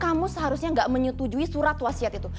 kamu seharusnya nggak menyetujui surat wastronom